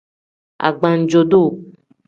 Agbanjo-duu.